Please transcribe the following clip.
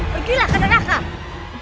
pergilah ke neraka